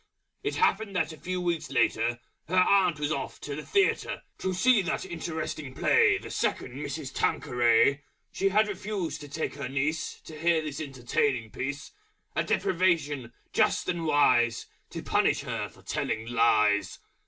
It happened that a few Weeks later Her Aunt was off to the Theatre To see that Interesting Play The Second Mrs. Tanqueray. She had refused to take her Niece To hear this Entertaining Piece: A Deprivation Just and Wise To Punish her for Telling Lies.